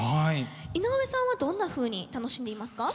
井上さんはどんなふうに楽しんでいますか？